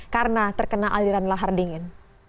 karena terkena aliran lahar dingin